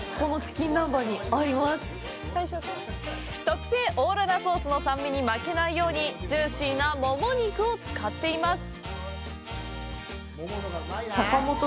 特製オーロラソースの酸味に負けないようにジューシーなもも肉を使っています。